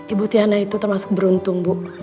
ibu tiana itu termasuk beruntung bu